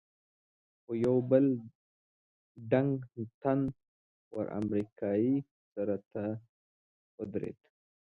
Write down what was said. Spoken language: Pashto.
خو یو بل ډنګ، تن ور امریکایي سر ته ودرېد.